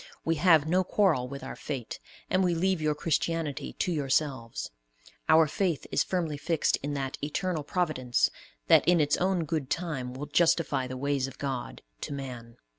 We have no quarrel with our fate, and we leave your Christianity to yourselves. Our faith is firmly fixed in that "Eternal Providence," that in its own good time will "justify the ways of God to man."